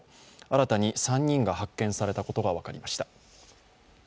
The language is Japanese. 新たに３人が発見されたことが分かりました。